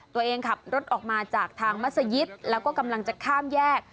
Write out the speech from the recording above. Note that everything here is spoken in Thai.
ตัวเองขับรถออกมาจากทางมัศยิตแล้วก็กำลังจะข้ามแยก